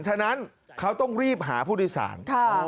ฉะนั้นเขาต้องรีบหาผู้โดยสาร